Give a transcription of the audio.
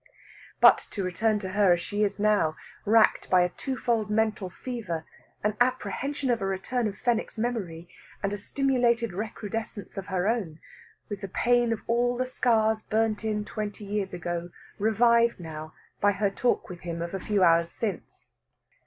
But to return to her as she is now, racked by a twofold mental fever, an apprehension of a return of Fenwick's memory, and a stimulated recrudescence of her own; with the pain of all the scars burnt in twenty years ago revived now by her talk with him of a few hours since.